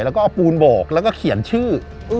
แล้วก็เอาปูนโบกแล้วก็เขียนชื่อ